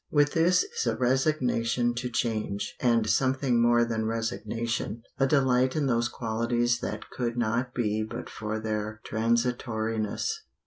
With this is a resignation to change, and something more than resignation a delight in those qualities that could not be but for their transitoriness.